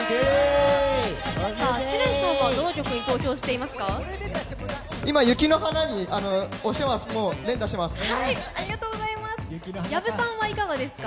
知念さんはどの曲に投票していますか？